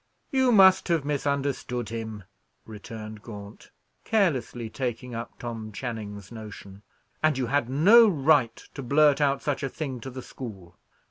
"You must have misunderstood him," returned Gaunt, carelessly taking up Tom Channing's notion; "and you had no right to blurt out such a thing to the school.